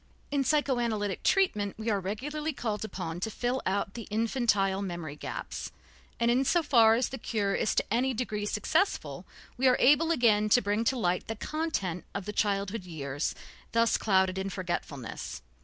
In psychoanalytic treatment we are regularly called upon to fill out the infantile memory gaps, and in so far as the cure is to any degree successful, we are able again to bring to light the content of the childhood years thus clouded in forgetfulness.